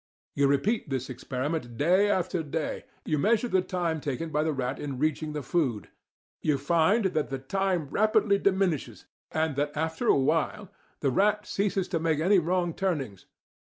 You repeat this experiment day after day; you measure the time taken by the rat in reaching the food; you find that the time rapidly diminishes, and that after a while the rat ceases to make any wrong turnings.